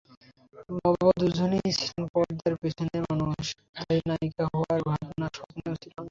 বাবা-মা দুজনই ছিলেন পর্দার পেছনের মানুষ, তাই নায়িকা হওয়ার ভাবনা স্বপ্নেও ছিল না।